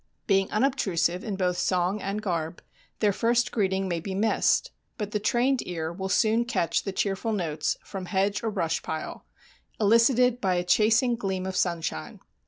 Being unobtrusive in both song and garb, their first greeting may be missed, but the trained ear will soon catch the cheerful notes from hedge or brush pile, elicited by a chasing gleam of sunshine.